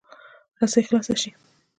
رسۍ خلاصه شي.